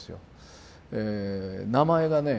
名前がね